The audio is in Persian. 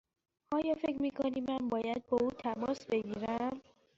آیا فکر می کنی من باید با او تماس بگیرم؟